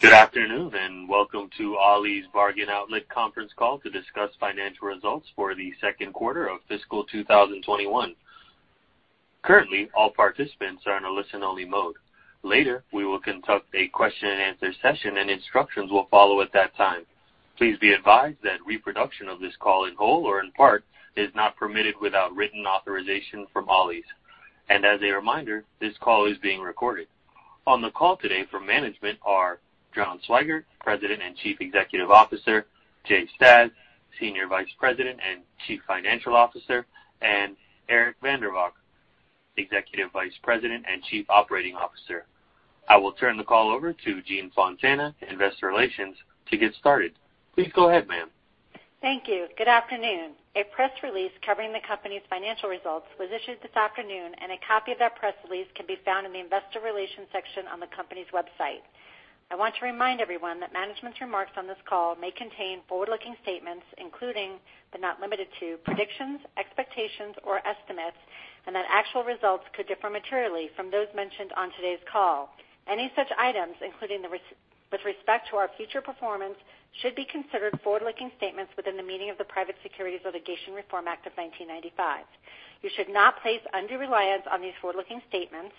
Good afternoon, and welcome to Ollie's Bargain Outlet conference call to discuss financial results for the second quarter of fiscal 2021. Currently, all participants are in a listen-only mode. Later, we will conduct a question and answer session, and instructions will follow at that time. Please be advised that reproduction of this call in whole or in part is not permitted without written authorization from Ollie's. As a reminder, this call is being recorded. On the call today from management are John Swygert, President and Chief Executive Officer, Jay Stasz, Senior Vice President and Chief Financial Officer, and Eric van der Valk, Executive Vice President and Chief Operating Officer. I will turn the call over to Jean Fontana, Investor Relations, to get started. Please go ahead, ma'am. Thank you. Good afternoon. A press release covering the company's financial results was issued this afternoon, and a copy of that press release can be found in the investor relations section on the company's website. I want to remind everyone that management's remarks on this call may contain forward-looking statements, including, but not limited to predictions, expectations, or estimates, and that actual results could differ materially from those mentioned on today's call. Any such items, including with respect to our future performance, should be considered forward-looking statements within the meaning of the Private Securities Litigation Reform Act of 1995. You should not place undue reliance on these forward-looking statements,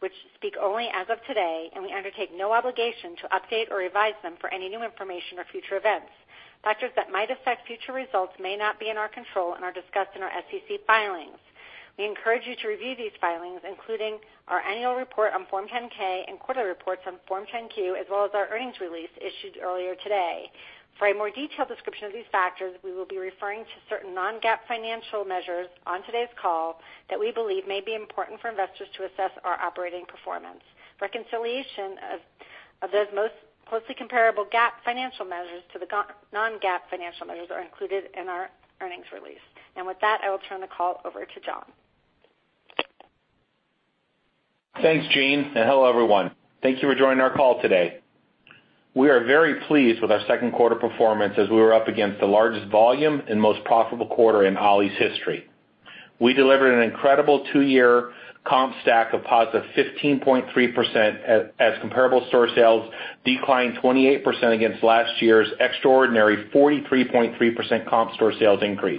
which speak only as of today, and we undertake no obligation to update or revise them for any new information or future events. Factors that might affect future results may not be in our control and are discussed in our SEC filings. We encourage you to review these filings, including our annual report on Form 10-K and quarterly reports on Form 10-Q, as well as our earnings release issued earlier today. For a more detailed description of these factors, we will be referring to certain non-GAAP financial measures on today's call that we believe may be important for investors to assess our operating performance. Reconciliation of those most closely comparable GAAP financial measures to the non-GAAP financial measures are included in our earnings release. With that, I will turn the call over to John. Thanks, Jean, and hello, everyone. Thank you for joining our call today. We are very pleased with our second quarter performance as we were up against the largest volume and most profitable quarter in Ollie's history. We delivered an incredible two-year comp stack of +15.3% as comparable store sales declined 28% against last year's extraordinary 43.3% comparable store sales increase.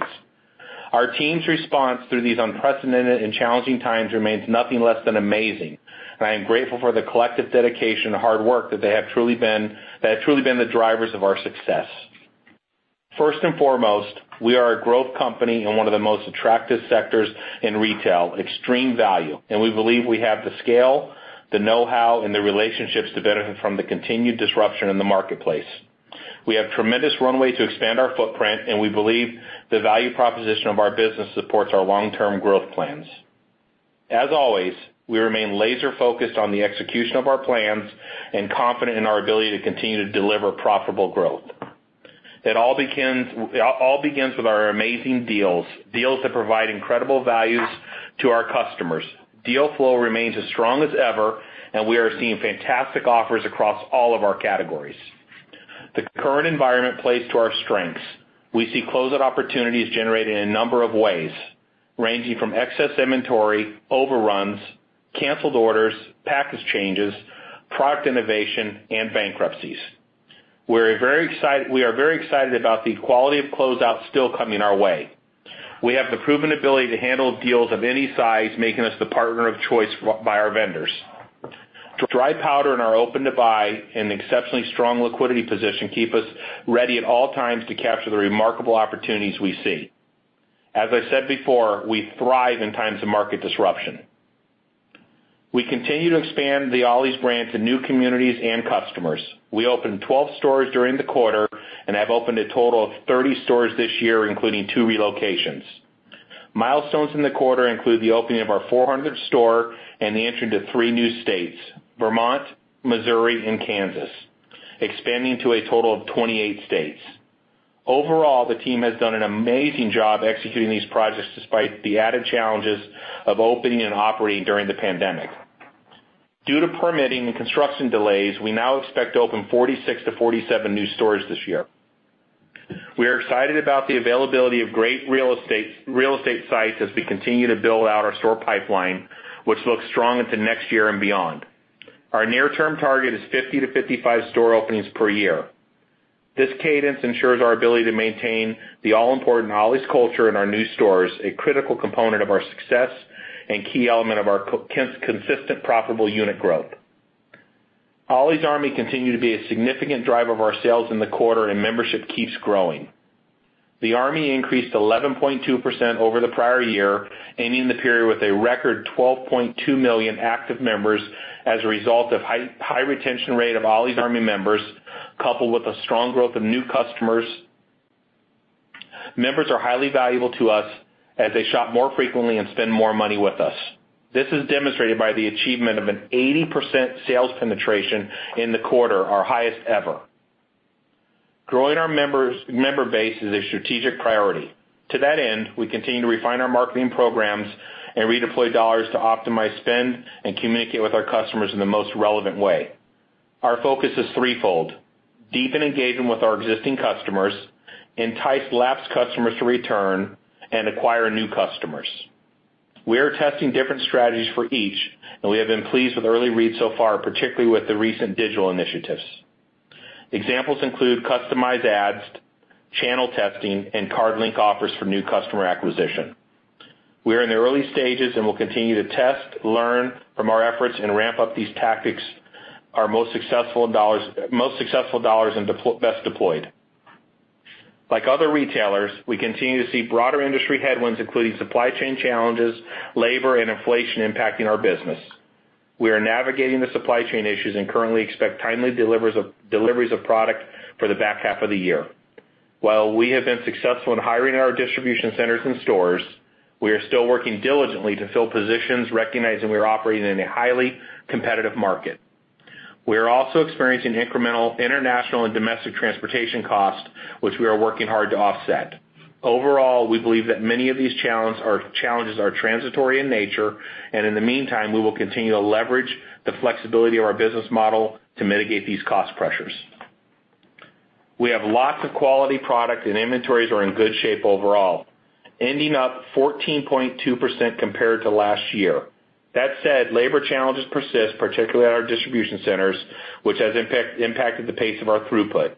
Our team's response through these unprecedented and challenging times remains nothing less than amazing, and I am grateful for the collective dedication and hard work that have truly been the drivers of our success. First and foremost, we are a growth company in one of the most attractive sectors in retail, extreme value, and we believe we have the scale, the know-how, and the relationships to benefit from the continued disruption in the marketplace. We have tremendous runway to expand our footprint, and we believe the value proposition of our business supports our long-term growth plans. As always, we remain laser-focused on the execution of our plans and confident in our ability to continue to deliver profitable growth. It all begins with our amazing deals that provide incredible values to our customers. Deal flow remains as strong as ever, and we are seeing fantastic offers across all of our categories. The current environment plays to our strengths. We see closeout opportunities generated in a number of ways, ranging from excess inventory, overruns, canceled orders, package changes, product innovation, and bankruptcies. We are very excited about the quality of closeouts still coming our way. We have the proven ability to handle deals of any size, making us the partner of choice by our vendors. Dry powder and our open-to-buy and exceptionally strong liquidity position keep us ready at all times to capture the remarkable opportunities we see. As I said before, we thrive in times of market disruption. We continue to expand the Ollie's brand to new communities and customers. We opened 12 stores during the quarter and have opened a total of 30 stores this year, including two relocations. Milestones in the quarter include the opening of our 400th store and the entry into three new states, Vermont, Missouri, and Kansas, expanding to a total of 28 states. Overall, the team has done an amazing job executing these projects despite the added challenges of opening and operating during the pandemic. Due to permitting and construction delays, we now expect to open 46-47 new stores this year. We are excited about the availability of great real estate sites as we continue to build out our store pipeline, which looks strong into next year and beyond. Our near-term target is 50-55 store openings per year. This cadence ensures our ability to maintain the all-important Ollie's culture in our new stores, a critical component of our success and key element of our consistent profitable unit growth. Ollie's Army continue to be a significant driver of our sales in the quarter, and membership keeps growing. The Army increased 11.2% over the prior year, ending the period with a record 12.2 million active members as a result of high retention rate of Ollie's Army members, coupled with the strong growth of new customers. Members are highly valuable to us as they shop more frequently and spend more money with us. This is demonstrated by the achievement of an 80% sales penetration in the quarter, our highest ever. Growing our member base is a strategic priority. To that end, we continue to refine our marketing programs and redeploy dollars to optimize spend and communicate with our customers in the most relevant way. Our focus is threefold. Deepen engagement with our existing customers, entice lapsed customers to return, and acquire new customers. We are testing different strategies for each, and we have been pleased with early reads so far, particularly with the recent digital initiatives. Examples include customized ads, channel testing, and card-link offers for new customer acquisition. We are in the early stages, and we'll continue to test, learn from our efforts, and ramp up these tactics, our most successful dollars best deployed. Like other retailers, we continue to see broader industry headwinds, including supply chain challenges, labor, and inflation impacting our business. We are navigating the supply chain issues and currently expect timely deliveries of product for the back half of the year. While we have been successful in hiring our distribution centers and stores, we are still working diligently to fill positions, recognizing we are operating in a highly competitive market. We are also experiencing incremental international and domestic transportation costs, which we are working hard to offset. Overall, we believe that many of these challenges are transitory in nature, and in the meantime, we will continue to leverage the flexibility of our business model to mitigate these cost pressures. We have lots of quality product, and inventories are in good shape overall, ending up 14.2% compared to last year. That said, labor challenges persist, particularly at our distribution centers, which has impacted the pace of our throughput.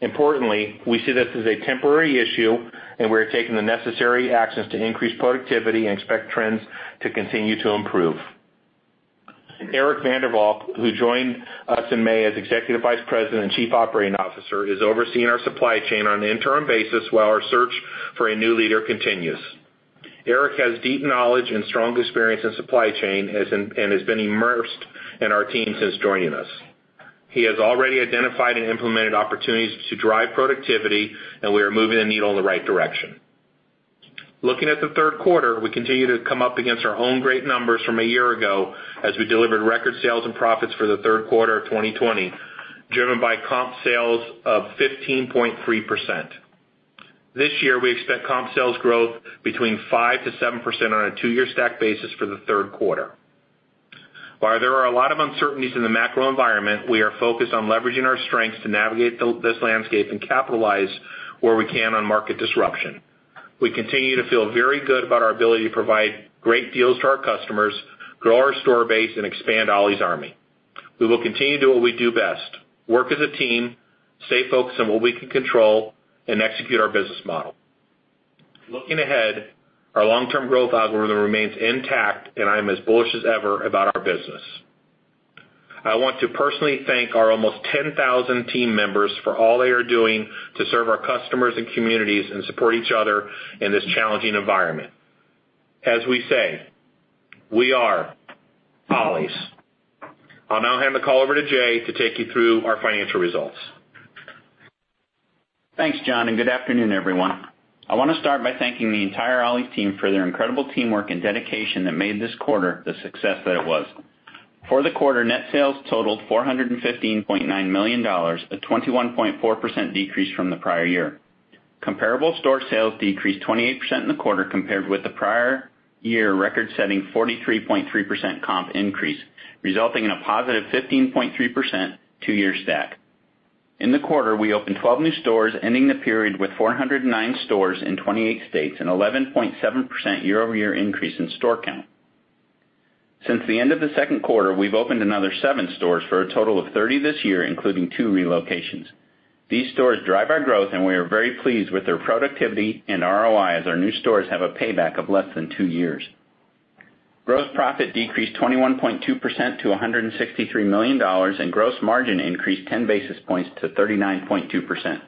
Importantly, we see this as a temporary issue, and we are taking the necessary actions to increase productivity and expect trends to continue to improve. Eric van der Valk, who joined us in May as Executive Vice President and Chief Operating Officer, is overseeing our supply chain on an interim basis while our search for a new leader continues. Eric has deep knowledge and strong experience in supply chain and has been immersed in our team since joining us. He has already identified and implemented opportunities to drive productivity. We are moving the needle in the right direction. Looking at the third quarter, we continue to come up against our own great numbers from a year ago as we delivered record sales and profits for the third quarter of 2020, driven by comp sales of 15.3%. This year, we expect comp sales growth between between 5% and 7% on a two-year stack basis for the third quarter. While there are a lot of uncertainties in the macro environment, we are focused on leveraging our strengths to navigate this landscape and capitalize where we can on market disruption. We continue to feel very good about our ability to provide great deals to our customers, grow our store base, and expand Ollie's Army. We will continue to do what we do best, work as a team, stay focused on what we can control, and execute our business model. Looking ahead, our long-term growth algorithm remains intact, and I am as bullish as ever about our business. I want to personally thank our almost 10,000 team members for all they are doing to serve our customers and communities and support each other in this challenging environment. As we say, we are Ollie's. I'll now hand the call over to Jay to take you through our financial results. Thanks, John, and good afternoon, everyone. I want to start by thanking the entire Ollie's team for their incredible teamwork and dedication that made this quarter the success that it was. For the quarter, net sales totaled $415.9 million, a 21.4% decrease from the prior year. Comparable store sales decreased 28% in the quarter compared with the prior year record-setting 43.3% comp increase, resulting in a +15.3% two-year stack. In the quarter, we opened 12 new stores, ending the period with 409 stores in 28 states, an 11.7% year-over-year increase in store count. Since the end of the second quarter, we've opened another seven stores for a total of 30 this year, including two relocations. These stores drive our growth, and we are very pleased with their productivity and ROI as our new stores have a payback of less than two years. Gross profit decreased 21.2% to $163 million, and gross margin increased 10 basis points to 39.2%.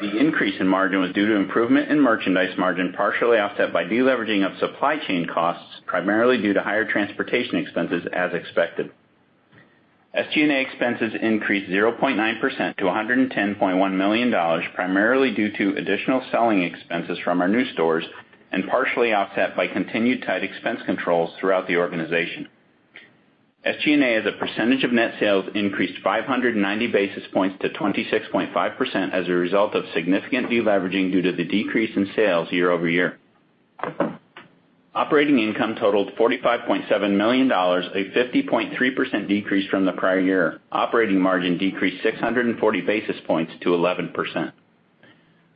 The increase in margin was due to improvement in merchandise margin, partially offset by deleveraging of supply chain costs, primarily due to higher transportation expenses as expected. SG&A expenses increased 0.9% to $110.1 million, primarily due to additional selling expenses from our new stores and partially offset by continued tight expense controls throughout the organization. SG&A, as a percentage of net sales, increased 590 basis points to 26.5% as a result of significant deleveraging due to the decrease in sales year-over-year. Operating income totaled $45.7 million, a 50.3% decrease from the prior year. Operating margin decreased 640 basis points to 11%.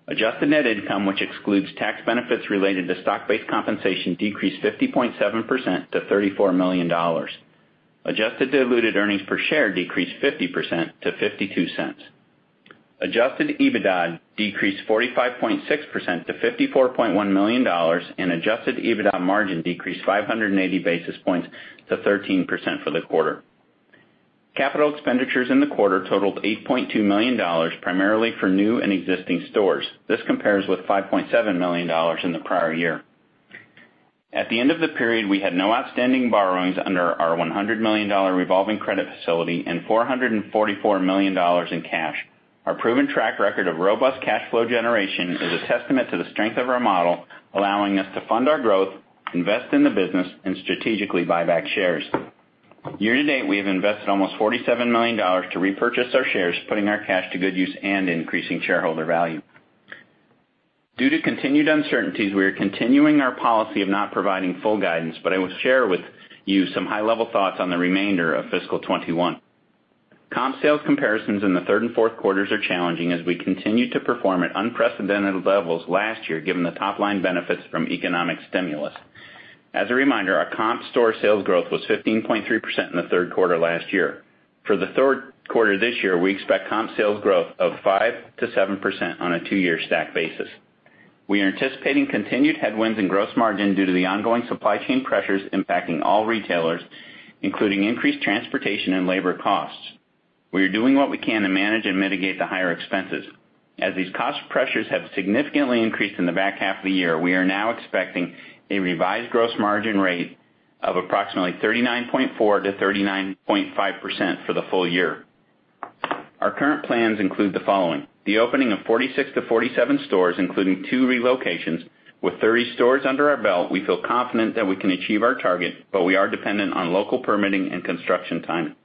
Adjusted net income, which excludes tax benefits related to stock-based compensation, decreased 50.7% to $34 million. Adjusted diluted earnings per share decreased 50% to $0.52. Adjusted EBITDA decreased 45.6% to $54.1 million, and adjusted EBITDA margin decreased 580 basis points to 13% for the quarter. Capital expenditures in the quarter totaled $8.2 million, primarily for new and existing stores. This compares with $5.7 million in the prior year. At the end of the period, we had no outstanding borrowings under our $100 million revolving credit facility and $444 million in cash. Our proven track record of robust cash flow generation is a testament to the strength of our model, allowing us to fund our growth, invest in the business, and strategically buy back shares. Year to date, we have invested almost $47 million to repurchase our shares, putting our cash to good use and increasing shareholder value. Due to continued uncertainties, we are continuing our policy of not providing full guidance, but I will share with you some high-level thoughts on the remainder of fiscal 2021. Comp sales comparisons in the third and fourth quarters are challenging as we continue to perform at unprecedented levels last year, given the top-line benefits from economic stimulus. As a reminder, our comparable store sales growth was 15.3% in the third quarter last year. For the third quarter this year, we expect comp sales growth of 5%-7% on a two-year stack basis. We are anticipating continued headwinds in gross margin due to the ongoing supply chain pressures impacting all retailers, including increased transportation and labor costs. We are doing what we can to manage and mitigate the higher expenses. As these cost pressures have significantly increased in the back half of the year, we are now expecting a revised gross margin rate of approximately 39.4%-39.5% for the full year. Our current plans include the following: the opening of 46-47 stores, including two relocations. With 30 stores under our belt, we feel confident that we can achieve our target, but we are dependent on local permitting and construction timing.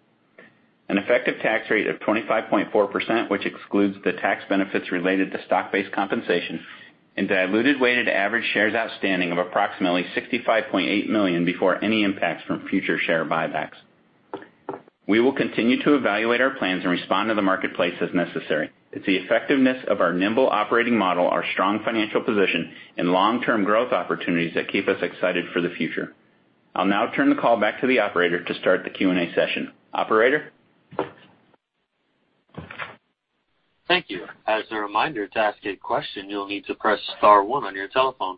An effective tax rate of 25.4%, which excludes the tax benefits related to stock-based compensation, and diluted weighted average shares outstanding of approximately 65.8 million before any impacts from future share buybacks. We will continue to evaluate our plans and respond to the marketplace as necessary. It's the effectiveness of our nimble operating model, our strong financial position, and long-term growth opportunities that keep us excited for the future. I'll now turn the call back to the operator to start the Q&A session. Operator? Thank you. As a reminder, to ask a question, you'll need to press star one on your telephone.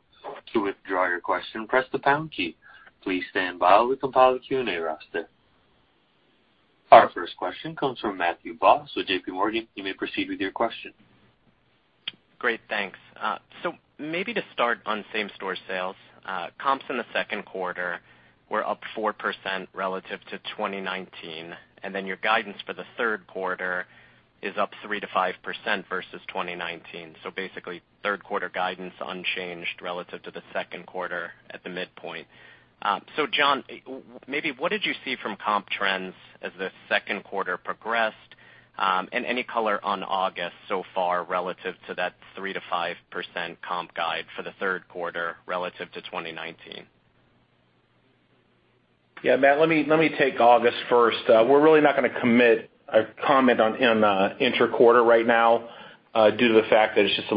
To withdraw your question, press the pound key. Please stand by while we compile the Q&A roster. Our first question comes from Matthew Boss with JPMorgan. You may proceed with your question. Great, thanks. Maybe to start on same-store sales, comps in the second quarter were up 4% relative to 2019, and then your guidance for the third quarter is up 3%-5% versus 2019. Basically, third quarter guidance unchanged relative to the second quarter at the midpoint. John, maybe what did you see from comp trends as the second quarter progressed? Any color on August so far relative to that 3%-5% comp guide for the third quarter relative to 2019? Yeah, Matt, let me take August first. We're really not going to commit a comment on inter-quarter right now due to the fact that it's a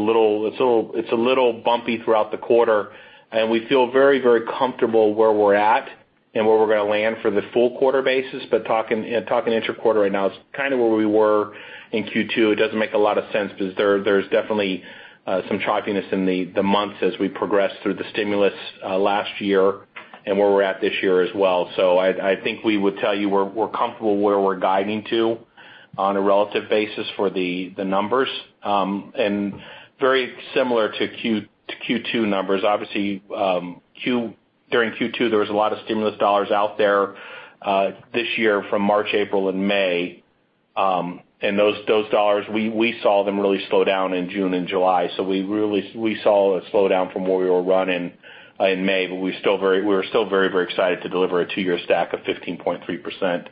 little bumpy throughout the quarter, and we feel very, very comfortable where we're at and where we're going to land for the full quarter basis. Talking inter-quarter right now is kind of where we were in Q2. It doesn't make a lot of sense because there's definitely some choppiness in the months as we progress through the stimulus last year and where we're at this year as well. I think we would tell you we're comfortable where we're guiding to on a relative basis for the numbers. Very similar to Q2 numbers. Obviously, during Q2, there was a lot of stimulus dollars out there this year from March, April, and May. Those dollars, we saw them really slow down in June and July. We saw a slowdown from where we were running in May, but we're still very excited to deliver a two-year stack of 15.3%,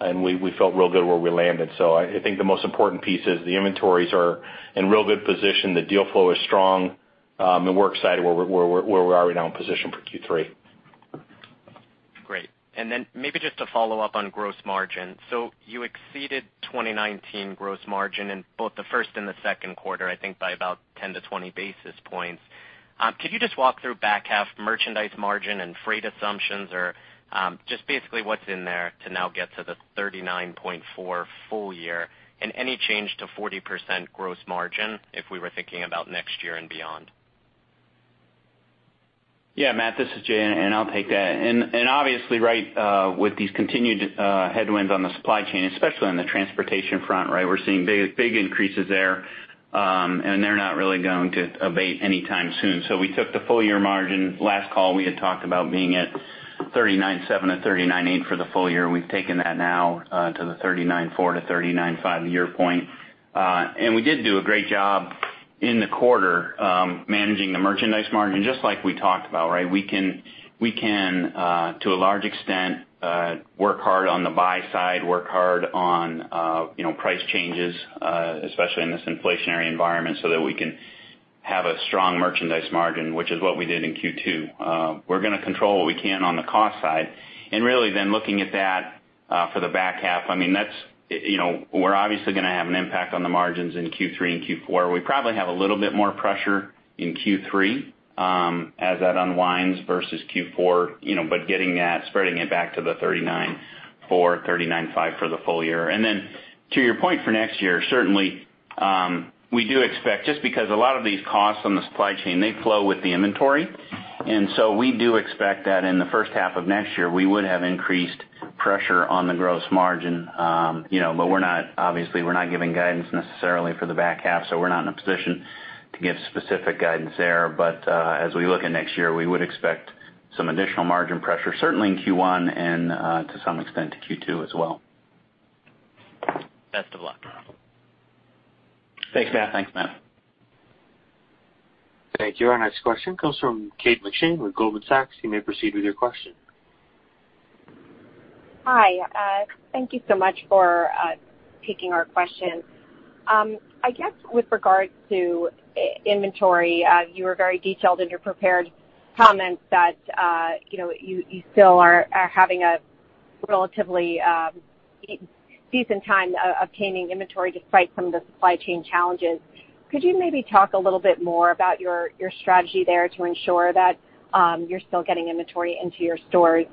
and we felt real good where we landed. I think the most important piece is the inventories are in real good position. The deal flow is strong, and we're excited where we are right now in position for Q3. Great. Maybe just to follow up on gross margin. You exceeded 2019 gross margin in both the first and the second quarter, I think by about 10-20 basis points. Could you just walk through back half merchandise margin and freight assumptions, or just basically what's in there to now get to the 39.4% full year, and any change to 40% gross margin if we were thinking about next year and beyond? Yeah, Matt, this is Jay, and I'll take that. Obviously, with these continued headwinds on the supply chain, especially on the transportation front, we're seeing big increases there, and they're not really going to abate anytime soon. We took the full year margin. Last call, we had talked about being at 39.7% or 39.8% for the full year, and we've taken that now to the 39.4%-39.5% year point. We did do a great job in the quarter managing the merchandise margin, just like we talked about. We can, to a large extent, work hard on the buy side, work hard on price changes, especially in this inflationary environment, so that we can have a strong merchandise margin, which is what we did in Q2. We're going to control what we can on the cost side. Really then looking at that for the back half, we're obviously going to have an impact on the margins in Q3 and Q4. We probably have a little bit more pressure in Q3 as that unwinds versus Q4 but spreading it back to the 39.4%-39.5% for the full year. Then to your point for next year, certainly, we do expect, just because a lot of these costs on the supply chain, they flow with the inventory. We do expect that in the first half of next year, we would have increased pressure on the gross margin. Obviously, we're not giving guidance necessarily for the back half, so we're not in a position to give specific guidance there. As we look at next year, we would expect some additional margin pressure, certainly in Q1 and to some extent in Q2 as well. Best of luck. Thanks, Matt. Thanks, Matt. Thank you. Our next question comes from Kate McShane with Goldman Sachs. You may proceed with your question. Hi. Thank you so much for taking our question. I guess with regards to inventory, you were very detailed in your prepared comments that you still are having a relatively decent time obtaining inventory despite some of the supply chain challenges. Could you maybe talk a little bit more about your strategy there to ensure that you're still getting inventory into your stores?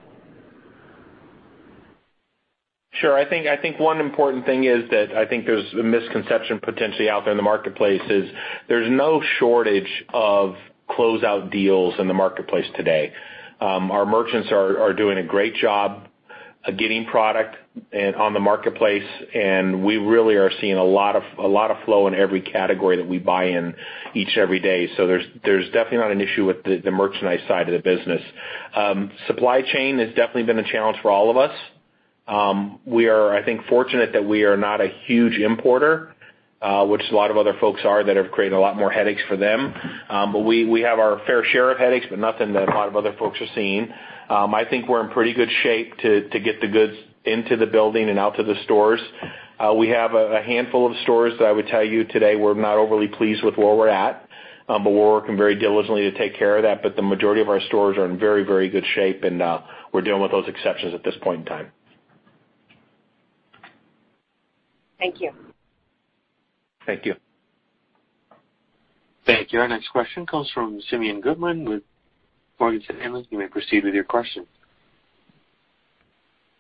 Sure. I think one important thing is that I think there's a misconception potentially out there in the marketplace, is there's no shortage of closeout deals in the marketplace today. Our merchants are doing a great job of getting product on the marketplace, and we really are seeing a lot of flow in every category that we buy in each and every day. There's definitely not an issue with the merchandise side of the business. Supply chain has definitely been a challenge for all of us. We are, I think, fortunate that we are not a huge importer, which a lot of other folks are, that have created a lot more headaches for them. We have our fair share of headaches, but nothing that a lot of other folks are seeing. I think we're in pretty good shape to get the goods into the building and out to the stores. We have a handful of stores that I would tell you today we're not overly pleased with where we're at. We're working very diligently to take care of that. The majority of our stores are in very good shape, and we're dealing with those exceptions at this point in time. Thank you. Thank you. Thank you. Our next question comes from Simeon Gutman with Morgan Stanley. You may proceed with your question.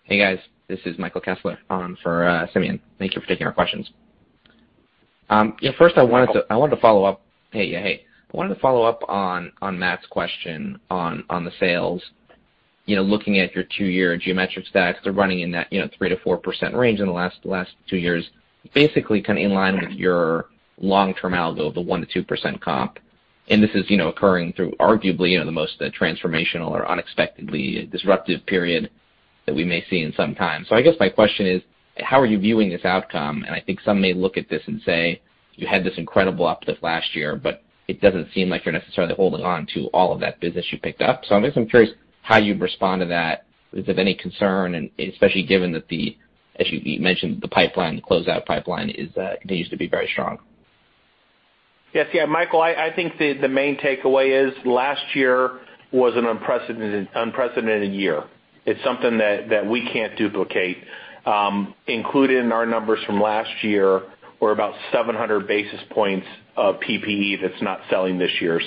Hey, guys. This is Michael Kessler on for Simeon. Thank you for taking our questions. Hey, Michael. Hey. I wanted to follow up on Matt's question on the sales. Looking at your two-year geometric stacks, they're running in that 3%-4% range in the last two years, basically kind of in line with your long-term algo of a 1%-2% comp. This is occurring through arguably the most transformational or unexpectedly disruptive period that we may see in some time. I guess my question is, how are you viewing this outcome? I think some may look at this and say you had this incredible uplift last year, but it doesn't seem like you're necessarily holding on to all of that business you picked up. I'm just curious how you'd respond to that. Is it any concern, and especially given that the, as you mentioned, the closeout pipeline continues to be very strong? Yes. Michael, I think the main takeaway is last year was an unprecedented year. It's something that we can't duplicate. Included in our numbers from last year were about 700 basis points of PPE that's not selling this year.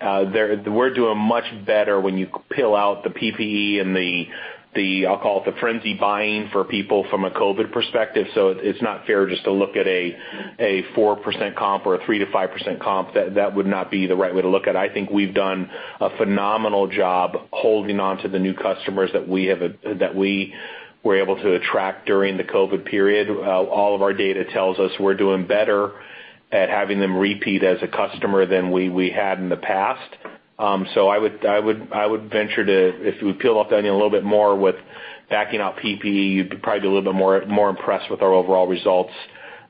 We're doing much better when you peel out the PPE and the, I'll call it, the frenzy buying for people from a COVID perspective. It's not fair just to look at a 4% comp or a 3%-5% comp. That would not be the right way to look at it. I think we've done a phenomenal job holding onto the new customers that we were able to attract during the COVID period. All of our data tells us we're doing better at having them repeat as a customer than we had in the past. I would venture if you would peel off the onion a little bit more with backing out PPE, you'd probably be a little bit more impressed with our overall results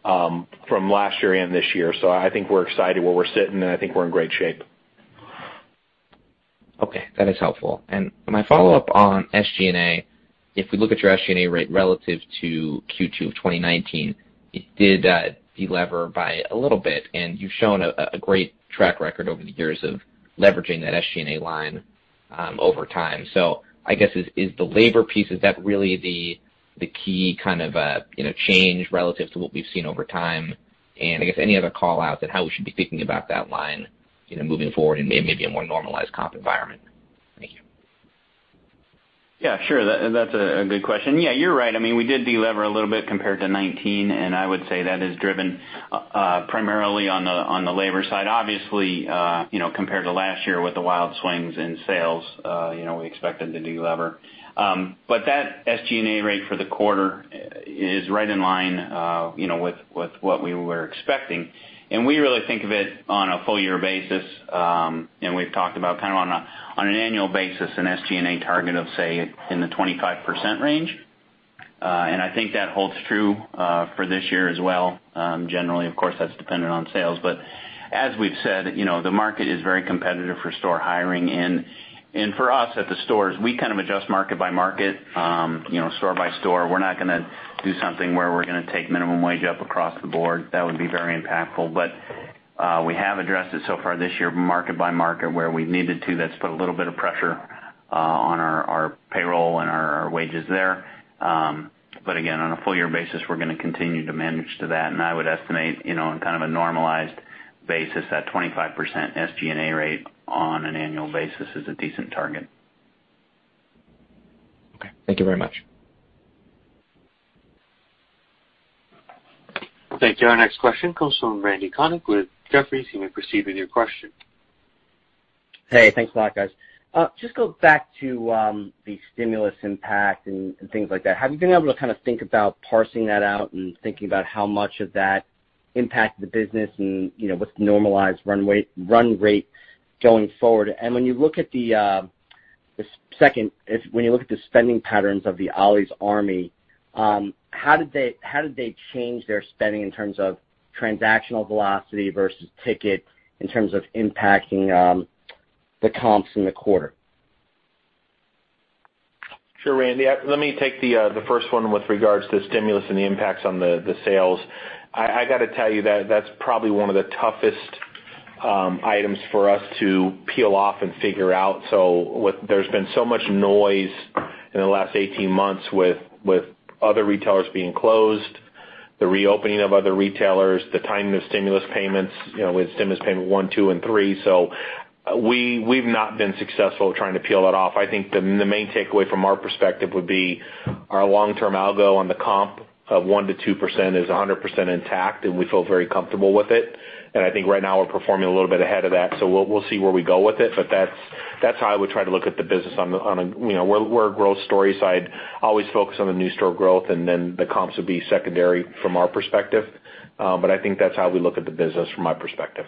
from last year and this year. I think we're excited where we're sitting, and I think we're in great shape. Okay. That is helpful. My follow-up on SG&A, if we look at your SG&A rate relative to Q2 of 2019, it did delever by a little bit, and you've shown a great track record over the years of leveraging that SG&A line over time. I guess, is the labor piece, is that really the key kind of change relative to what we've seen over time? I guess any other call outs and how we should be thinking about that line moving forward in maybe a more normalized comp environment. Thank you. Sure. That's a good question. You're right. We did delever a little bit compared to 2019, and I would say that is driven primarily on the labor side. Obviously, compared to last year with the wild swings in sales, we expected to delever. That SG&A rate for the quarter is right in line with what we were expecting, and we really think of it on a one full year basis. We've talked about, kind of on an annual basis, an SG&A target of, say, in the 25% range. I think that holds true for this year as well. Generally, of course, that's dependent on sales. As we've said, the market is very competitive for store hiring. For us at the stores, we kind of adjust market by market, store by store. We're not going to do something where we're going to take minimum wage up across the board. That would be very impactful. We have addressed it so far this year, market by market, where we've needed to. That's put a little bit of pressure on our payroll and our wages there. Again, on a full year basis, we're going to continue to manage to that. I would estimate, on kind of a normalized basis, that 25% SG&A rate on an annual basis is a decent target. Okay. Thank you very much. Thank you. Our next question comes from Randy Konik with Jefferies. You may proceed with your question. Hey, thanks a lot, guys. Just go back to the stimulus impact and things like that. Have you been able to kind of think about parsing that out and thinking about how much of that impacted the business and what's the normalized run rate going forward? When you look at the, second, when you look at the spending patterns of the Ollie's Army, how did they change their spending in terms of transactional velocity versus ticket in terms of impacting the comps in the quarter? Sure, Randy. Let me take the first one with regards to the stimulus and the impacts on the sales. I got to tell you that that's probably one of the toughest items for us to peel off and figure out. There's been so much noise in the last 18 months with other retailers being closed, the reopening of other retailers, the timing of stimulus payments, with stimulus payment one, two, and three. We've not been successful trying to peel that off. I think the main takeaway from our perspective would be our long-term algo on the comp of 1% to 2% is 100% intact, and we feel very comfortable with it. I think right now we're performing a little bit ahead of that. We'll see where we go with it, but that's how I would try to look at the business. We're a growth story side, always focused on the new store growth, and then the comps would be secondary from our perspective. I think that's how we look at the business from my perspective.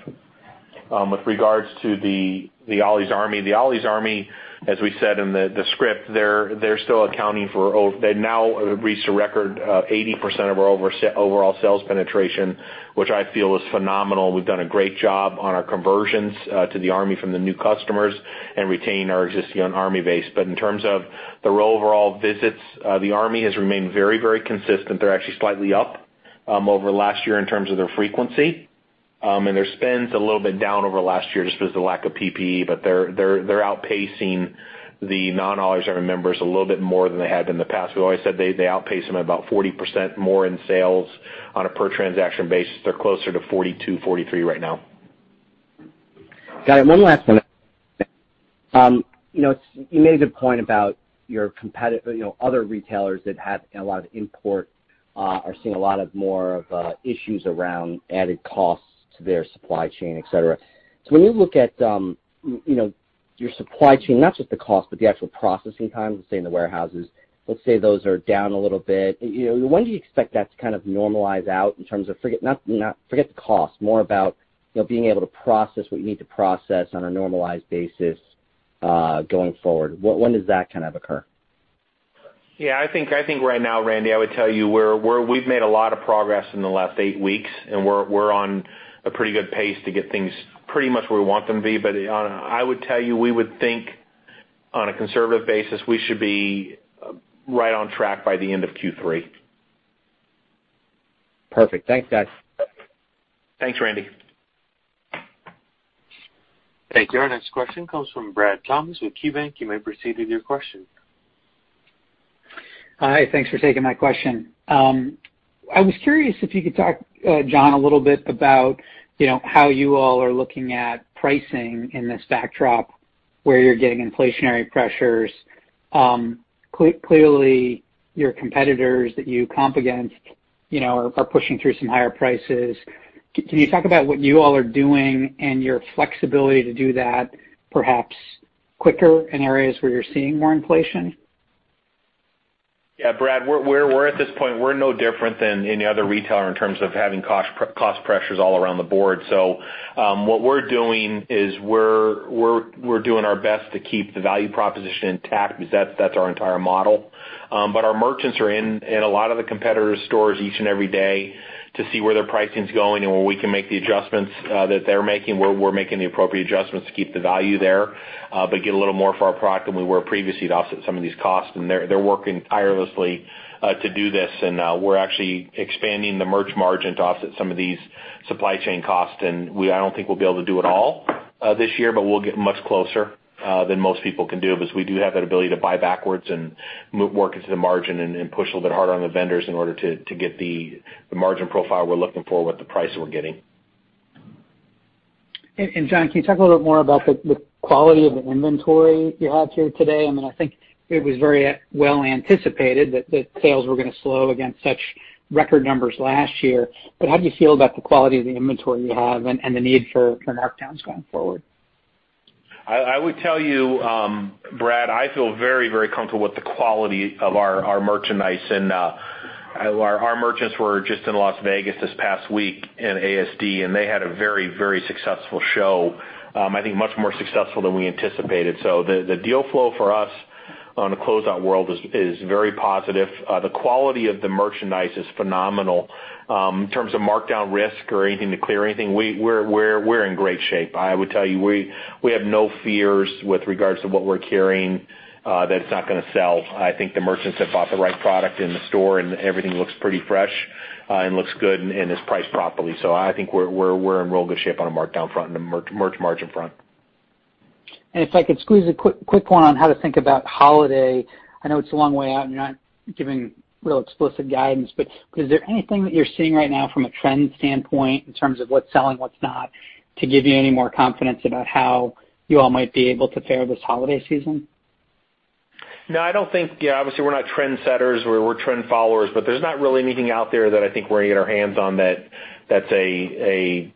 With regards to the Ollie's Army. The Ollie's Army, as we said in the script, they now have reached a record of 80% of our overall sales penetration, which I feel is phenomenal. We've done a great job on our conversions to the Army from the new customers and retain our existing Army base. In terms of the overall visits, the Army has remained very consistent. They're actually slightly up over last year in terms of their frequency. Their spend's a little bit down over last year just because of the lack of PPE, but they're outpacing the non-Ollie's Army members a little bit more than they have in the past. We've always said they outpace them at about 40% more in sales on a per transaction basis. They're closer to 42%, 43% right now. Got it. One last one. You made the point about other retailers that have a lot of import are seeing a lot more of issues around added costs to their supply chain, et cetera. When you look at your supply chain, not just the cost, but the actual processing time, let's say, in the warehouses, let's say those are down a little bit. When do you expect that to normalize out in terms of, forget the cost, more about being able to process what you need to process on a normalized basis, going forward. When does that occur? Yeah, I think right now, Randy, I would tell you we've made a lot of progress in the last eight weeks, we're on a pretty good pace to get things pretty much where we want them to be. I would tell you, we would think on a conservative basis, we should be right on track by the end of Q3. Perfect. Thanks, guys. Thanks, Randy. Thank you. Our next question comes from Brad Thomas with KeyBanc Capital Markets. You may proceed with your question. Hi, thanks for taking my question. I was curious if you could talk, John, a little bit about how you all are looking at pricing in this backdrop where you're getting inflationary pressures. Clearly, your competitors that you comp against are pushing through some higher prices. Can you talk about what you all are doing and your flexibility to do that perhaps quicker in areas where you're seeing more inflation? Brad, at this point, we're no different than any other retailer in terms of having cost pressures all around the board. What we're doing is we're doing our best to keep the value proposition intact because that's our entire model. Our merchants are in a lot of the competitors' stores each and every day to see where their pricing's going and where we can make the adjustments that they're making, where we're making the appropriate adjustments to keep the value there. Get a little more for our product than we were previously to offset some of these costs, and they're working tirelessly to do this. We're actually expanding the merch margin to offset some of these supply chain costs. I don't think we'll be able to do it all this year, but we'll get much closer than most people can do because we do have that ability to buy backwards and move more into the margin and push a little bit harder on the vendors in order to get the margin profile we're looking for with the price we're getting. John, can you talk a little bit more about the quality of the inventory you have here today? I think it was very well anticipated that sales were going to slow against such record numbers last year. How do you feel about the quality of the inventory you have and the need for markdowns going forward? I would tell you, Brad, I feel very comfortable with the quality of our merchandise. Our merchants were just in Las Vegas this past week in ASD, and they had a very successful show. I think much more successful than we anticipated. The deal flow for us on the closeout world is very positive. The quality of the merchandise is phenomenal. In terms of markdown risk or anything to clear anything, we're in great shape. I would tell you, we have no fears with regards to what we're carrying that's not going to sell. I think the merchants have bought the right product in the store, and everything looks pretty fresh and looks good and is priced properly. I think we're in real good shape on a markdown front and a merch margin front. If I could squeeze a quick point on how to think about holiday? I know it's a long way out, and you're not giving real explicit guidance, but is there anything that you're seeing right now from a trend standpoint in terms of what's selling, what's not, to give you any more confidence about how you all might be able to fare this holiday season? Obviously, we're not trendsetters. We're trend followers, but there's not really anything out there that I think we're going to get our hands on that's a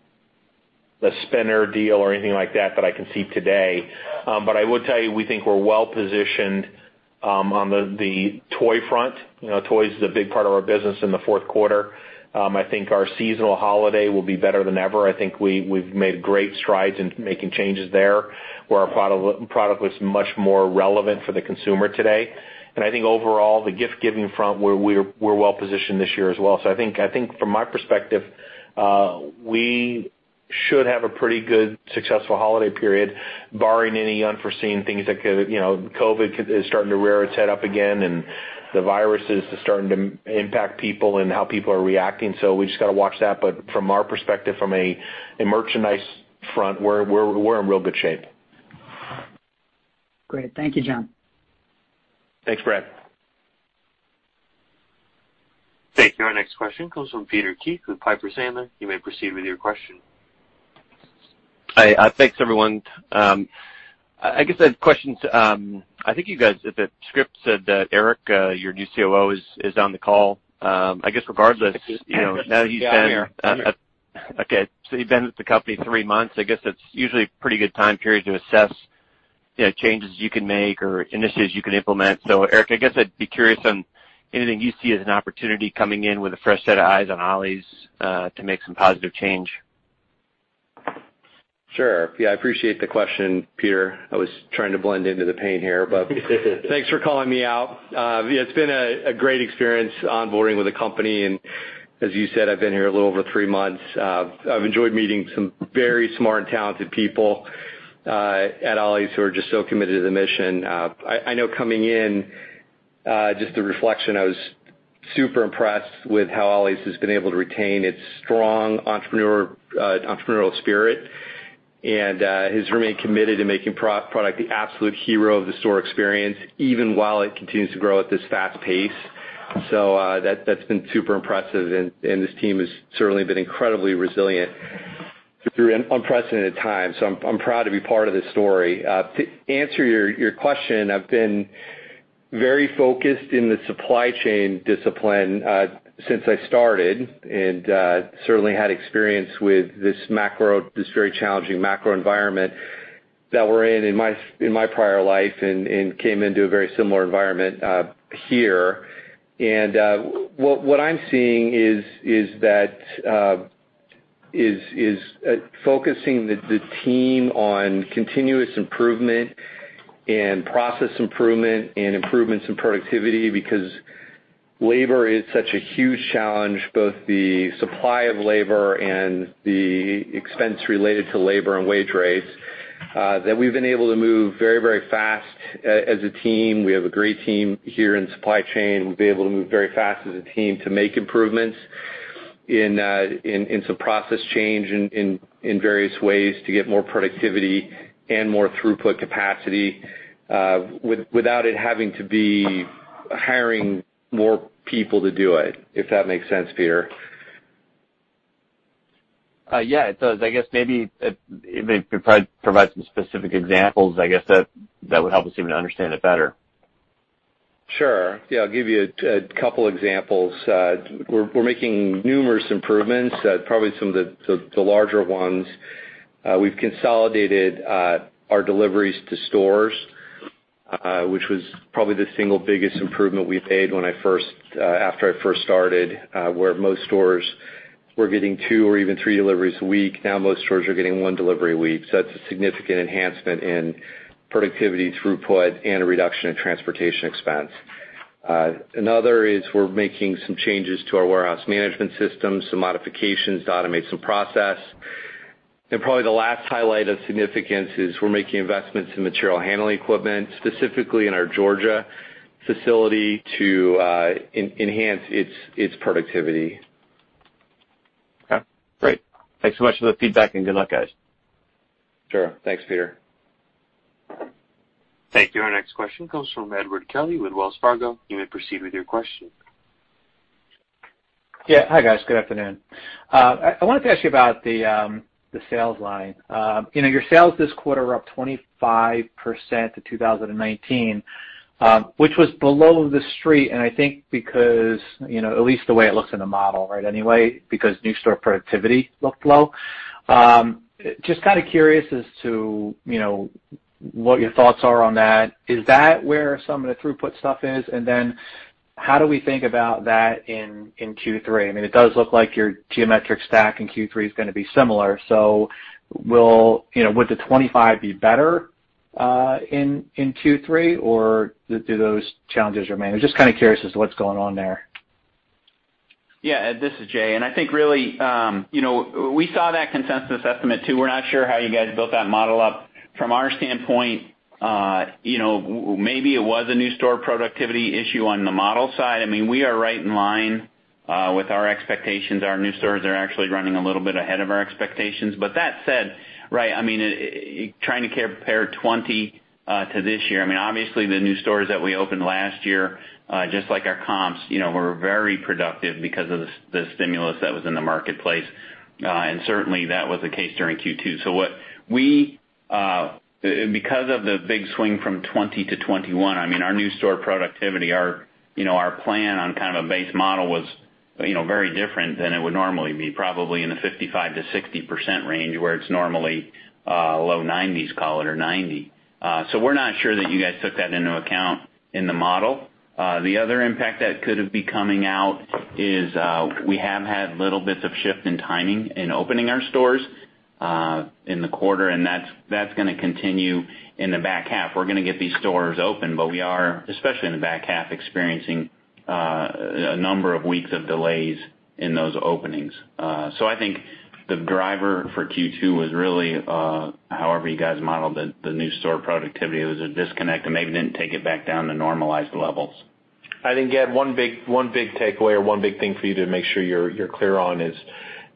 spinner deal or anything like that I can see today. I would tell you, we think we're well positioned on the toy front. Toys is a big part of our business in the fourth quarter. I think our seasonal holiday will be better than ever. I think we've made great strides in making changes there where our product looks much more relevant for the consumer today. I think overall, the gift-giving front, we're well positioned this year as well. I think from my perspective, we Should have a pretty good successful holiday period, barring any unforeseen things. COVID is starting to rear its head up again, and the virus is starting to impact people and how people are reacting, so we just got to watch that. From our perspective, from a merchandise front, we're in real good shape. Great. Thank you, John. Thanks, Brad. Thank you. Our next question comes from Peter Keith with Piper Sandler. You may proceed with your question. Hi. Thanks everyone. I guess I have questions. I think you guys, the script said that Eric, your new COO, is on the call. Yeah, I'm here. You've been with the company three months. I guess that's usually a pretty good time period to assess changes you can make or initiatives you can implement. Eric, I guess I'd be curious on anything you see as an opportunity coming in with a fresh set of eyes on Ollie's, to make some positive change. Sure. Yeah, I appreciate the question, Peter. I was trying to blend into the paint here. Thanks for calling me out. It's been a great experience onboarding with the company. As you said, I've been here a little over three months. I've enjoyed meeting some very smart and talented people at Ollie's who are just so committed to the mission. I know coming in, just the reflection, I was super impressed with how Ollie's has been able to retain its strong entrepreneurial spirit and has remained committed to making product the absolute hero of the store experience, even while it continues to grow at this fast pace. That's been super impressive and this team has certainly been incredibly resilient through an unprecedented time. I'm proud to be part of this story. To answer your question, I've been very focused in the supply chain discipline, since I started, and certainly had experience with this very challenging macro environment that we're in in my prior life and came into a very similar environment here. What I'm seeing is focusing the team on continuous improvement and process improvement and improvements in productivity because labor is such a huge challenge, both the supply of labor and the expense related to labor and wage rates, that we've been able to move very fast as a team. We have a great team here in supply chain. We've been able to move very fast as a team to make improvements in some process change in various ways to get more productivity and more throughput capacity, without it having to be hiring more people to do it, if that makes sense, Peter. Yeah, it does. I guess maybe if you provide some specific examples, I guess that would help us even understand it better. Sure. Yeah, I'll give you two examples. We're making numerous improvements. Probably some of the larger ones, we've consolidated our deliveries to stores, which was probably the single biggest improvement we've made after I first started, where most stores were getting two or even three deliveries a week. Now most stores are getting one delivery a week. That's a significant enhancement in productivity throughput and a reduction in transportation expense. Another is we're making some changes to our warehouse management system, some modifications to automate some process. Probably the last highlight of significance is we're making investments in material handling equipment, specifically in our Georgia facility to enhance its productivity. Okay, great. Thanks so much for the feedback and good luck, guys. Sure. Thanks, Peter. Thank you. Our next question comes from Edward Kelly with Wells Fargo. You may proceed with your question. Hi, guys. Good afternoon. I wanted to ask you about the sales line. Your sales this quarter were up 25% to 2019, which was below the street, and I think because, at least the way it looks in the model, right, anyway, because new store productivity looked low. Just kind of curious as to what your thoughts are on that. Is that where some of the throughput stuff is? How do we think about that in Q3? It does look like your geometric stack in Q3 is gonna be similar. Would the 25 be better in Q3, or do those challenges remain? I'm just kind of curious as to what's going on there. Yeah. Edward Kelly, this is Jay Stasz, I think really, we saw that consensus estimate too. We're not sure how you guys built that model up. From our standpoint, maybe it was a new store productivity issue on the model side. We are right in line with our expectations. Our new stores are actually running a little bit ahead of our expectations. That said, right, trying to compare 2020 to this year, obviously the new stores that we opened last year, just like our comps, were very productive because of the stimulus that was in the marketplace. Certainly that was the case during Q2. Because of the big swing from 2020 to 2021, our new store productivity, our plan on kind of a base model was very different than it would normally be, probably in the 55%-60% range, where it's normally low 90s call it, or 90. We're not sure that you guys took that into account in the model. The other impact that could have been coming out is, we have had little bits of shift in timing in opening our stores in the quarter, and that's going to continue in the back half. We're going to get these stores open, we are, especially in the back half, experiencing. A number of weeks of delays in those openings. I think the driver for Q2 was really however you guys modeled the new store productivity. It was a disconnect and maybe didn't take it back down to normalized levels. I think, Ed, one big takeaway or one big thing for you to make sure you are clear on is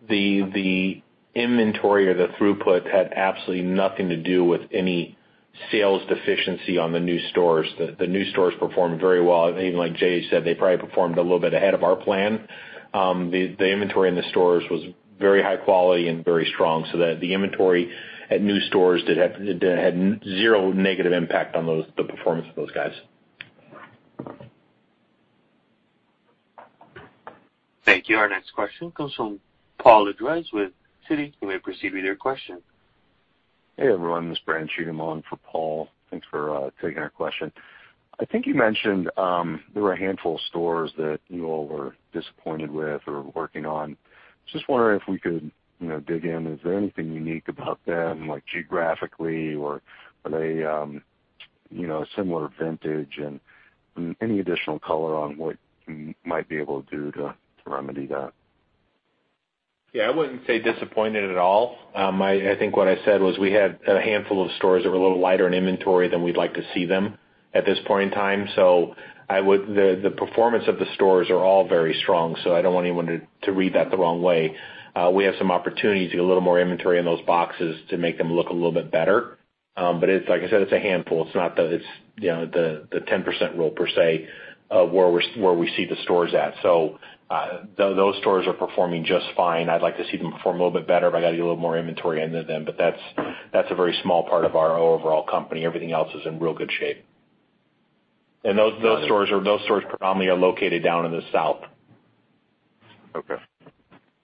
the inventory or the throughput had absolutely nothing to do with any sales deficiency on the new stores. The new stores performed very well. Even like Jay said, they probably performed a little bit ahead of our plan. The inventory in the stores was very high quality and very strong so that the inventory at new stores had zero negative impact on the performance of those guys. Thank you. Our next question comes from Paul Lejuez with Citi. You may proceed with your question. Hey, everyone, this is Brandon Cheatham on for Paul. Thanks for taking our question. I think you mentioned there were a handful of stores that you all were disappointed with or working on. Just wondering if we could dig in. Is there anything unique about them, like geographically, or are they similar vintage and any additional color on what you might be able to do to remedy that? I wouldn't say disappointed at all. I think what I said was we had a handful of stores that were a little lighter in inventory than we'd like to see them at this point in time. The performance of the stores are all very strong, so I don't want anyone to read that the wrong way. We have some opportunities to get a little more inventory in those boxes to make them look a little bit better. Like I said, it's a handful. It's not the 10% rule per se of where we see the stores at. Those stores are performing just fine. I'd like to see them perform a little bit better, but I got to get a little more inventory into them. That's a very small part of our overall company. Everything else is in real good shape. Those stores predominantly are located down in the south. Okay.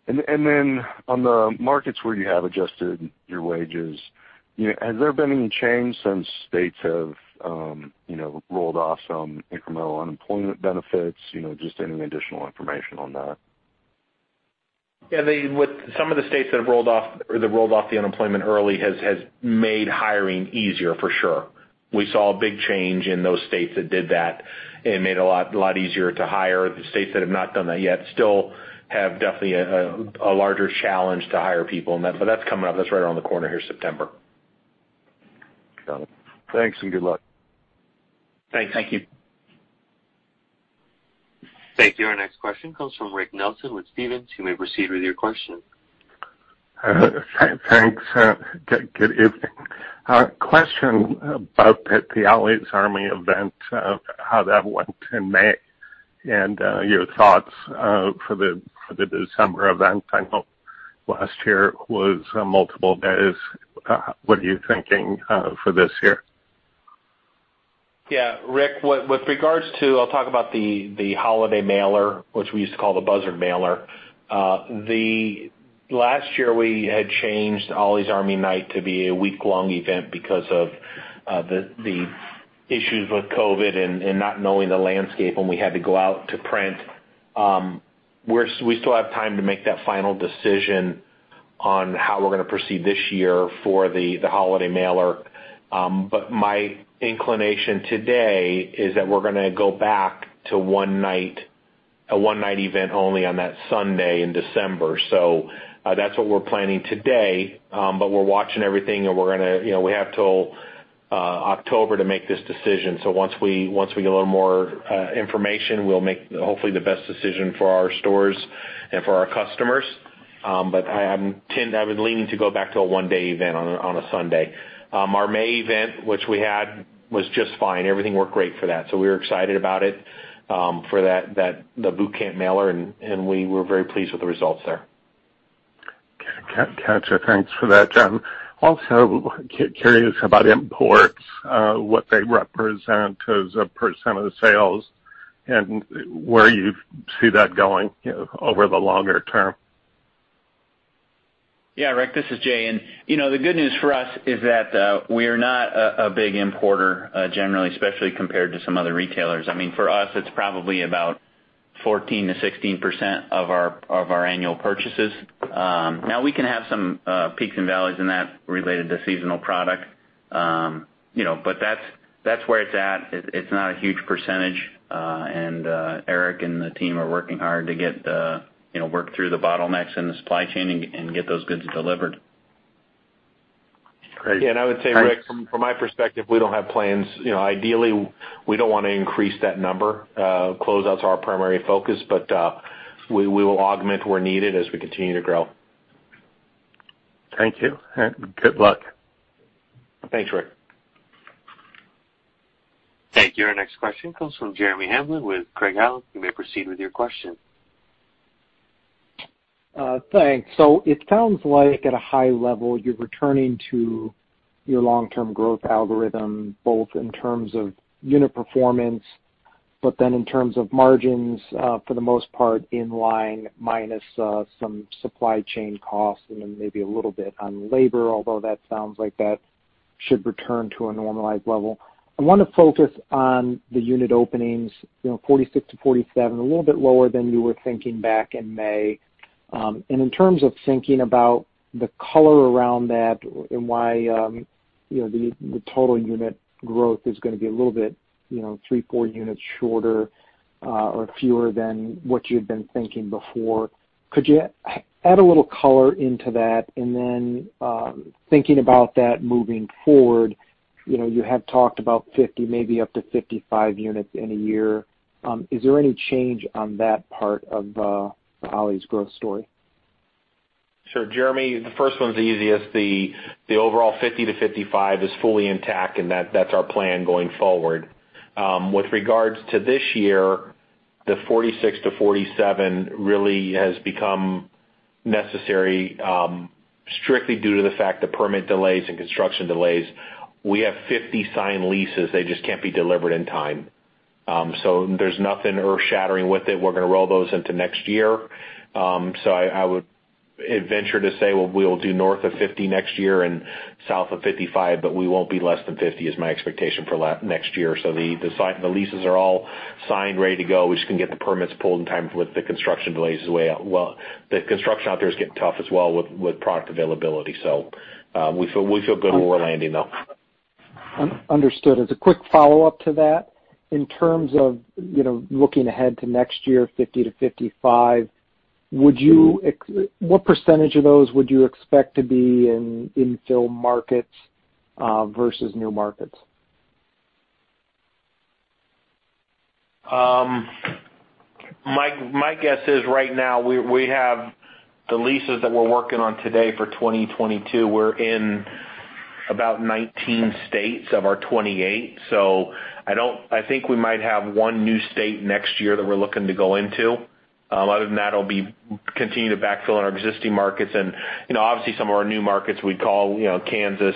On the markets where you have adjusted your wages, has there been any change since states have rolled off some incremental unemployment benefits? Just any additional information on that. Yeah. With some of the states that have rolled off the unemployment early has made hiring easier, for sure. We saw a big change in those states that did that. It made it a lot easier to hire. The states that have not done that yet still have definitely a larger challenge to hire people, but that's coming up. That's right around the corner here, September. Got it. Thanks and good luck. Thanks. Thank you. Thank you. Our next question comes from Rick Nelson with Stephens. You may proceed with your question. Thanks. Good evening. A question about the Ollie's Army event, how that went in May and your thoughts for the December event. I know last year was multiple days. What are you thinking for this year? Rick, with regards to, I'll talk about the holiday mailer, which we used to call the Buzzard mailer. The last year, we had changed Ollie's Army Night to be a week-long event because of the issues with COVID and not knowing the landscape when we had to go out to print. We still have time to make that final decision on how we're going to proceed this year for the holiday mailer. My inclination today is that we're going to go back to a one-night event only on that Sunday in December. That's what we're planning today, but we're watching everything, and we have till October to make this decision. Once we get a little more information, we'll make hopefully the best decision for our stores and for our customers. I'm leaning to go back to a one-day event on a Sunday. Our May event, which we had, was just fine. Everything worked great for that. We were excited about it for the Boot Camp mailer, and we were very pleased with the results there. Gotcha. Thanks for that, John. Curious about imports, what they represent as a % of the sales and where you see that going over the longer term. Rick, this is Jay, the good news for us is that we are not a big importer generally, especially compared to some other retailers. For us, it's probably about 14%-16% of our annual purchases. We can have some peaks and valleys in that related to seasonal product. That's where it's at. It's not a huge percentage. Eric and the team are working hard to work through the bottlenecks in the supply chain and get those goods delivered. Great. Yeah, I would say, Rick, from my perspective, we don't have plans. Ideally, we don't want to increase that number. Closeouts are our primary focus, but we will augment where needed as we continue to grow. Thank you, and good luck. Thanks, Rick. Thank you. Our next question comes from Jeremy Hamblin with Craig-Hallum. You may proceed with your question. Thanks. It sounds like at a high level, you're returning to your long-term growth algorithm, both in terms of unit performance, but then in terms of margins, for the most part, in line minus some supply chain costs and then maybe a little bit on labor, although that sounds like that should return to a normalized level. I want to focus on the unit openings, 46-47, a little bit lower than you were thinking back in May. In terms of thinking about the color around that and why the total unit growth is going to be a little bit, three, four units shorter or fewer than what you had been thinking before, could you add a little color into that? Then thinking about that moving forward, you had talked about 50, maybe up to 55 units in a year. Is there any change on that part of Ollie's growth story? Sure. Jeremy, the first one's the easiest. The overall 50-55 is fully intact, and that's our plan going forward. With regards to this year, the 46-47 really has become necessary strictly due to the fact the permit delays and construction delays. We have 50 signed leases, they just can't be delivered in time. There's nothing earth-shattering with it. We're going to roll those into next year. I would venture to say we'll do north of 50 next year and south of 55, but we won't be less than 50 is my expectation for next year. The leases are all signed, ready to go. We just couldn't get the permits pulled in time with the construction delays. The construction out there is getting tough as well with product availability. We feel good where we're landing, though. Understood. As a quick follow-up to that, in terms of looking ahead to next year, 50-55, what % of those would you expect to be in infill markets versus new markets? My guess is right now, we have the leases that we're working on today for 2022. We're in about 19 states of our 28. I think we might have 1 new state next year that we're looking to go into. Other than that, it'll be continue to backfill in our existing markets. Obviously some of our new markets we'd call Kansas,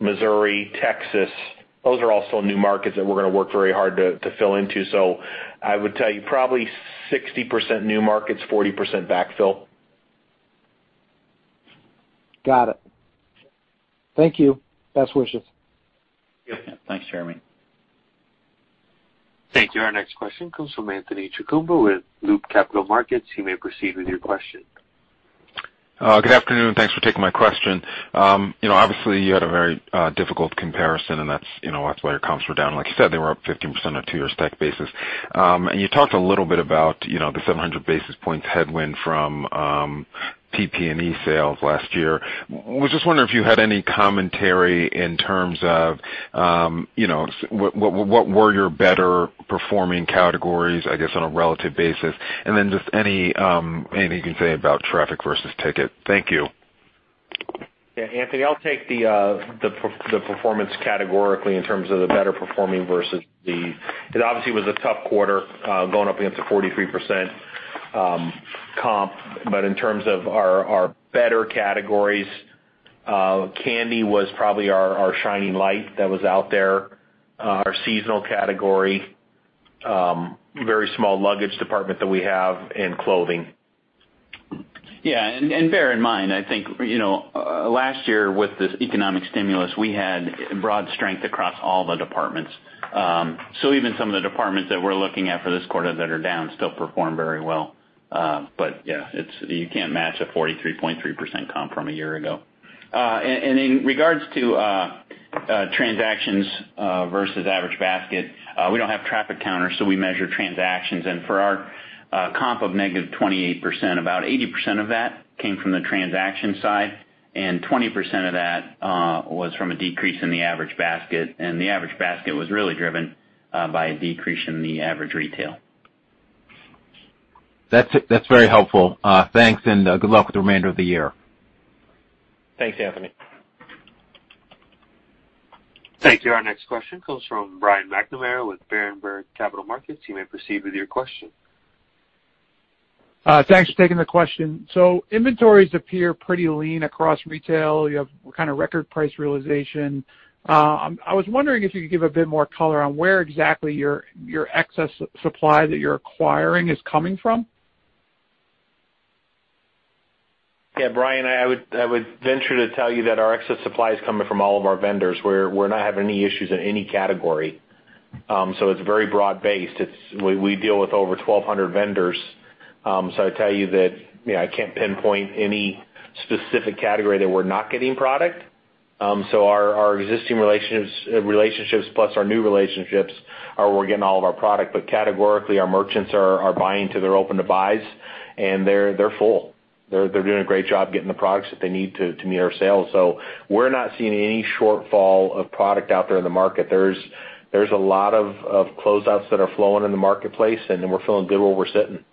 Missouri, Texas. Those are all still new markets that we're going to work very hard to fill into. I would tell you, probably 60% new markets, 40% backfill. Got it. Thank you. Best wishes. Yeah. Thanks, Jeremy. Thank you. Our next question comes from Anthony Chukumba with Loop Capital Markets. You may proceed with your question. Good afternoon, and thanks for taking my question. Obviously you had a very difficult comparison, that's why your comps were down. Like you said, they were up 15% on a two-year stack basis. You talked a little bit about the 700 basis points headwind from PPE sales last year. I was just wondering if you had any commentary in terms of what were your better performing categories, I guess, on a relative basis, and then just anything you can say about traffic versus ticket. Thank you. Yeah, Anthony, I'll take the performance categorically in terms of the better performing versus the. It obviously was a tough quarter going up against a 43% comp. In terms of our better categories, candy was probably our shining light that was out there. Our seasonal category, very small luggage department that we have, and clothing. Yeah. Bear in mind, I think, last year with this economic stimulus, we had broad strength across all the departments. Even some of the departments that we're looking at for this quarter that are down still perform very well. Yeah, you can't match a 43.3% comp from a year ago. In regards to transactions versus average basket, we don't have traffic counters, so we measure transactions. For our comp of -28%, about 80% of that came from the transaction side, and 20% of that was from a decrease in the average basket. The average basket was really driven by a decrease in the average retail. That's very helpful. Thanks. Good luck with the remainder of the year. Thanks, Anthony. Thank you. Our next question comes from Brian McNamara with Berenberg Capital Markets. You may proceed with your question. Thanks for taking the question. Inventories appear pretty lean across retail. You have kind of record price realization. I was wondering if you could give a bit more color on where exactly your excess supply that you're acquiring is coming from? Brian, I would venture to tell you that our excess supply is coming from all of our vendors. We're not having any issues in any category. It's very broad-based. We deal with over 1,200 vendors. I tell you that I can't pinpoint any specific category that we're not getting product. Our existing relationships plus our new relationships are where we're getting all of our product. Categorically, our merchants are buying to their open-to-buys, and they're full. They're doing a great job getting the products that they need to meet our sales. We're not seeing any shortfall of product out there in the market. There's a lot of closeouts that are flowing in the marketplace, and we're feeling good where we're sitting.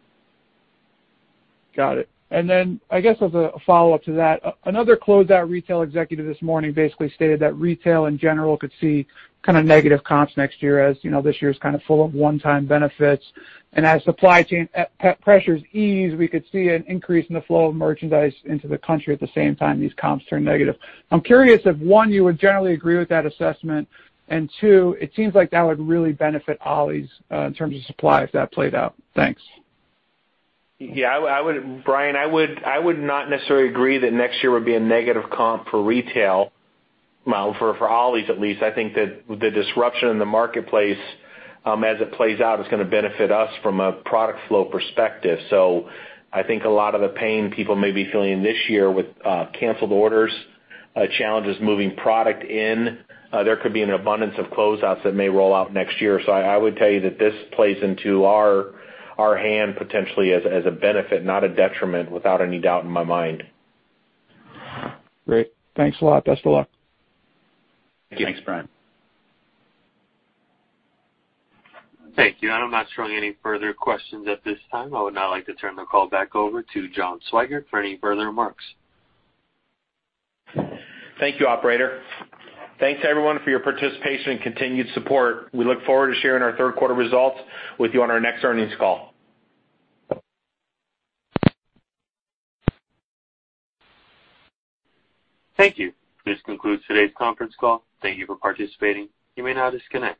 Got it. Then I guess as a follow-up to that, another closeout retail executive this morning basically stated that retail in general could see kind of negative comps next year as this year is kind of full of one-time benefits. As supply chain pressures ease, we could see an increase in the flow of merchandise into the country at the same time these comps turn negative. I'm curious if, one, you would generally agree with that assessment, and two, it seems like that would really benefit Ollie's in terms of supply if that played out. Thanks. Yeah, Brian, I would not necessarily agree that next year would be a negative comp for retail. For Ollie's at least, I think that the disruption in the marketplace as it plays out is going to benefit us from a product flow perspective. I think a lot of the pain people may be feeling this year with canceled orders, challenges moving product in, there could be an abundance of closeouts that may roll out next year. I would tell you that this plays into our hand potentially as a benefit, not a detriment, without any doubt in my mind. Great. Thanks a lot. Best of luck. Thanks, Brian. Thank you. I'm not showing any further questions at this time. I would now like to turn the call back over to John Swygert for any further remarks. Thank you, operator. Thanks, everyone, for your participation and continued support. We look forward to sharing our third quarter results with you on our next earnings call. Thank you. This concludes today's conference call. Thank you for participating. You may now disconnect.